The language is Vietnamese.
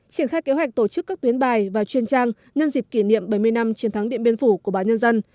triển khai kế hoạch tổ chức các tuyến bài và chuyên trang nhân dịp kỷ niệm bảy mươi năm chiến thắng điện biên phủ của báo nhân dân